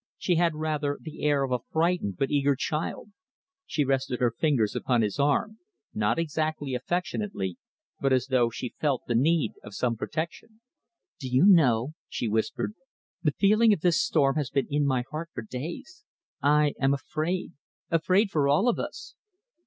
She had rather the air of a frightened but eager child. She rested her fingers upon his arm, not exactly affectionately, but as though she felt the need of some protection. "Do you know," she whispered, "the feeling of this storm has been in my heart for days. I am afraid afraid for all of us!"